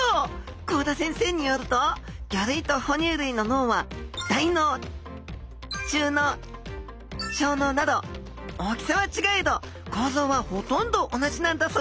幸田先生によると魚類と哺乳類の脳は大脳中脳小脳など大きさはちがえど構造はほとんど同じなんだそうです！